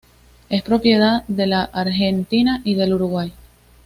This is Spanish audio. Es propiedad de la Argentina y del Uruguay.